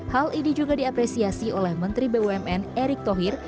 hal ini juga diapresiasi oleh menteri bumn erick thohir